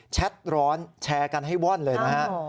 ร้อนแชร์กันให้ว่อนเลยนะฮะ